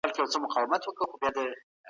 د مشر کیفیت په لاس لاندې خلکو اغېز لري.